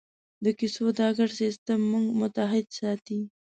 د کیسو دا ګډ سېسټم موږ متحد ساتي.